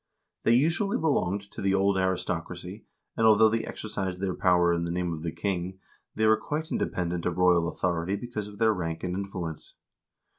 They usually belonged to the old aristocracy, and although they exercised their power in the name of the king, they were quite independent of royal authority because of their rank and influence.